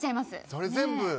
それ全部。